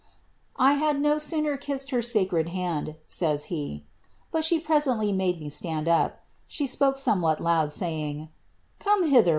^ 1 had no sooner kissed her sacred hand," says he, ^ but le presently made me stand up. She spoke somewhat loud, saying, Dome hither.